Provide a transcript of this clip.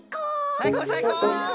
さいこうさいこう！